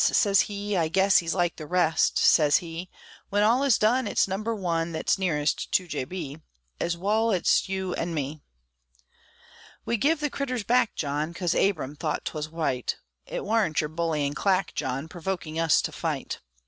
sez he, "I guess He's like the rest," sez he: "When all is done, it's number one Thet's nearest to J. B., Ez wal ez t' you an' me!" We give the critters back, John, Cos Abram thought 'twas right; It warn't your bullyin' clack, John, Provokin' us to fight.